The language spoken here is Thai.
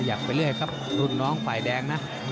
ไปเรื่อยครับรุ่นน้องฝ่ายแดงนะ